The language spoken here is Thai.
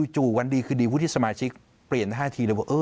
จู่วันดีคือดีพวกที่สมาชิกเปลี่ยนท่าทีเลยว่า